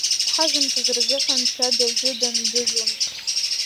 Дхазымҵоз рзыҳәан дцәада-жьыдан аӡызлан!